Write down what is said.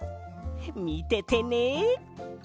みててね！